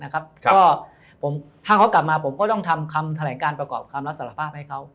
ก็ถ้าเขากลับมาผมก็ต้องทำคำแถลงการประกอบคำรับสารภาพให้เขา